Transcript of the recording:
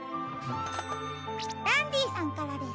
ダンディさんからですか？